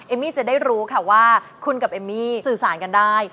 มี่จะได้รู้ค่ะว่าคุณกับเอมมี่สื่อสารกันได้